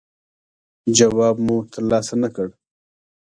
جواب مو ترلاسه نه کړ.